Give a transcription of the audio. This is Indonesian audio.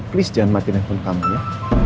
please jangan matiin akun kamu ya